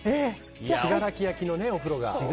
信楽焼のお風呂がね。